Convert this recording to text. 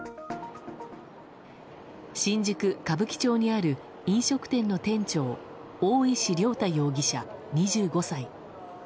新宿・歌舞伎町にある飲食店の店長、大石涼太容疑者、２５歳。